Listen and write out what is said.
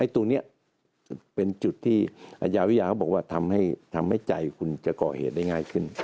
ตรงนี้เป็นจุดที่อาญาวิทยาเขาบอกว่าทำให้ใจคุณจะก่อเหตุได้ง่ายขึ้น